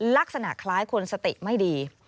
ลักษณะคล้ายคนสติไม่ดี